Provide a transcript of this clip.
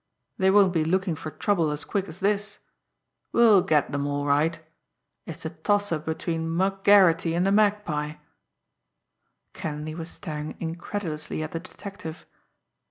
They won't be looking for trouble as quick as this. We'll get 'em, all right. It's a toss up between Mug Garretty and the Magpie." Kenleigh was staring incredulously at the detective.